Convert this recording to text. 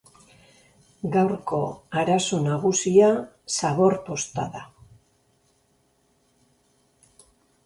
Gaurko arazo nagusia zabor-posta da.